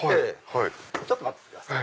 ちょっと待っててください。